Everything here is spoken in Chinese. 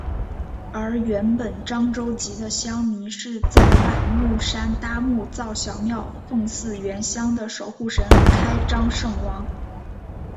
而原本漳州籍的乡民是在外木山搭木造小庙奉祀原乡的守护神开漳圣王。